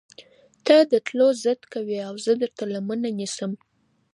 تۀ د تلو ضد کوې اؤ زۀ درته لمنه نيسم